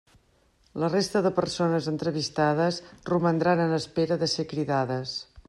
La resta de persones entrevistades romandran en espera de ser cridades.